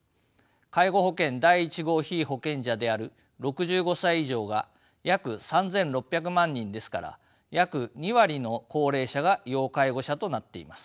介護保険第１号被保険者である６５歳以上が約３，６００万人ですから約２割の高齢者が要介護者となっています。